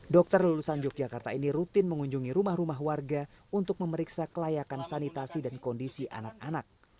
dokter lulusan yogyakarta ini rutin mengunjungi rumah rumah warga untuk memeriksa kelayakan sanitasi dan kondisi anak anak